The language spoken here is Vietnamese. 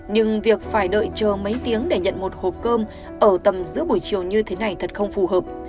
nhưng việc phải đợi chờ mấy tiếng để nhận một hộp cơm ở tầm giữa buổi chiều như thế này thật không phù hợp